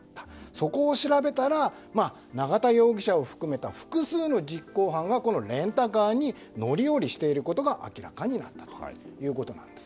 そこを調べたら永田容疑者を含めた複数の実行犯がレンタカーに乗り降りしていることが明らかになったということです。